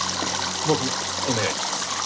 僕もお願いします。